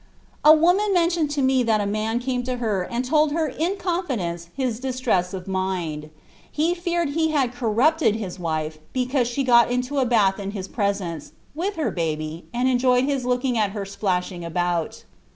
"A woman mentioned to me that a man came to her and told her in confidence his distress of mind: he feared he had corrupted his wife because she got into a bath in his presence, with her baby, and enjoyed his looking at her splashing about.